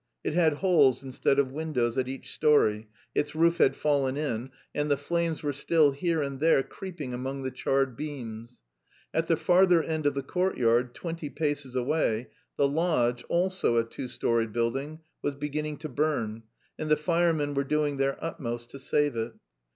It had holes instead of windows at each story, its roof had fallen in, and the flames were still here and there creeping among the charred beams. At the farther end of the courtyard, twenty paces away, the lodge, also a two storied building, was beginning to burn, and the firemen were doing their utmost to save it.